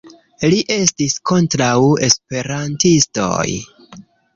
Li estas kontraŭ esperantistoj